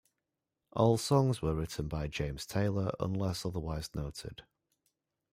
All songs were written by James Taylor unless otherwise noted.